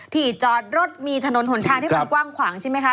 ที่จอดรถมีถนนหนทางที่มันกว้างขวางใช่ไหมคะ